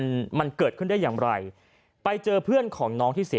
จนกระทั่งบ่าย๓โมงก็ไม่เห็นออกมา